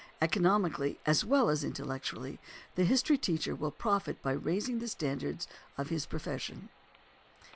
Economically as well as intellectually the history teacher will profit by raising the standards of his profession.